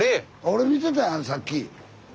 俺見てたやんさっき。